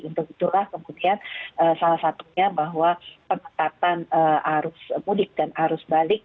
untuk itulah kemudian salah satunya bahwa penetapan arus mudik dan arus balik